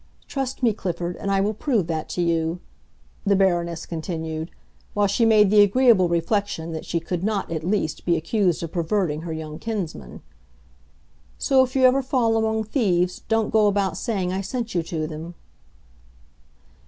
Trust me, Clifford, and I will prove that to you," the Baroness continued, while she made the agreeable reflection that she could not, at least, be accused of perverting her young kinsman. "So if you ever fall among thieves don't go about saying I sent you to them."